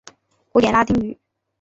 古典拉丁语。